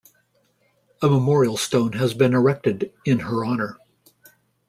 A memorial stone has been erected in her honour.